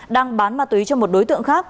đang bán ma túy cho một đối tượng khác